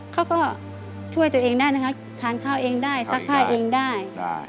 เขาก็ช่วยตัวเองได้นะคะทานข้าวเองได้ซักผ้าเองได้